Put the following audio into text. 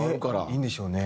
いいんでしょうね。